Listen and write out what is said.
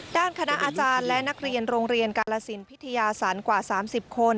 ด้านคณะอาจารย์และนักเรียนโรงเรียนกาลสินพิทยาศาลกว่า๓๐คน